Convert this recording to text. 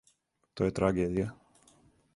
То је трагедија.